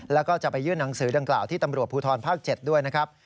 แล้วก็จะไปยื่นหนังสือดังกล่าวที่ตำรวจภูทรภาค๗ด้วยนะครับ